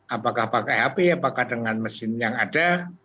apakah pakai hp apakah dengan mesin yang ada